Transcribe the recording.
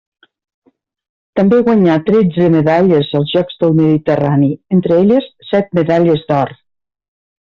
També guanyà tretze medalles als Jocs del Mediterrani, entre elles set medalles d'or.